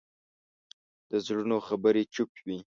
د زړونو خبرې چوپ وي